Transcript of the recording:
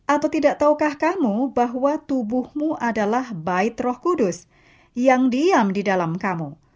atau tidak tahukah kamu bahwa tubuhmu adalah baik roh kudus yang diam di dalam kamu